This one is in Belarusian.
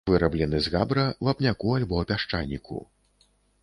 Выраблены з габра, вапняку альбо пясчаніку.